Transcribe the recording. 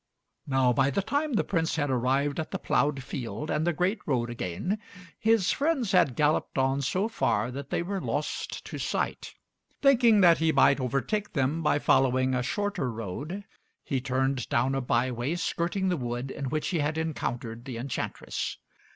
Now by the time the Prince had arrived at the ploughed field and the great road again, his friends had galloped on so far that they were lost to sight. Thinking that he might overtake them by following a shorter road, he turned down a byway skirting the wood in which he had encountered the enchantress.